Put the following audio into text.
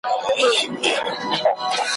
موږ به خپل دردونه چیري چاته ژاړو `